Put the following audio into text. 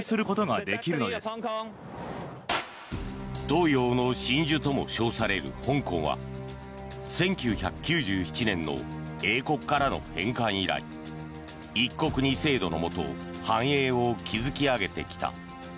東洋の真珠とも称される香港は１９９７年の英国からの返還以来一国二制度のもと繁栄を築き上げてきた。